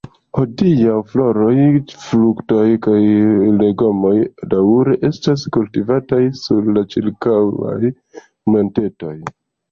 Hodiaŭ, floroj, fruktoj kaj legomoj daŭre estas kultivitaj sur la ĉirkaŭaj montetoj.